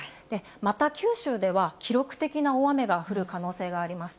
また、九州では、記録的な大雨が降る可能性があります。